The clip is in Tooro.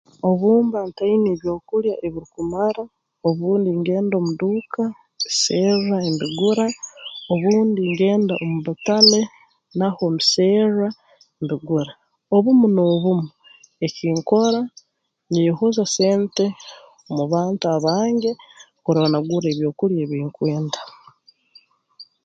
Obu mba ntaine byokulya ebirukumara obundi ngenda omu duuka mbiserra mbigura obundi ngenda omu butale naho mbiserra mbigura obumu n'obumu ekinkora nyeyohoza sente mu bantu abange kurora nagurra ebyokulya ebinkwenda